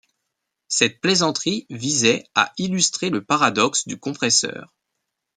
Cette plaisanterie visait à illustrer le paradoxe du compresseur.